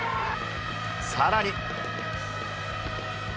さらに。